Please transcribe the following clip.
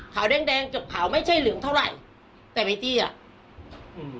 แดงแดงเกือบขาวไม่ใช่เหลืองเท่าไหร่แต่ไมตี้อ่ะอืม